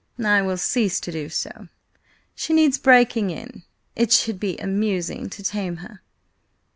"I will cease to do so. She needs breaking in. It should be amusing to tame her."